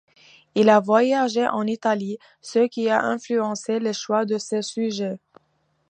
Il a voyagé en Italie ce qui a influencé le choix de ses sujets.